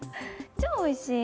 超おいしい！